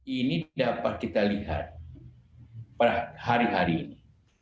ini dapat kita lihat per hari hari ini